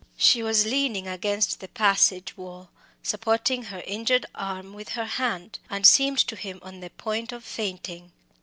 She was leaning against the passage wall, supporting her injured arm with her hand, and seemed to him on the point of fainting.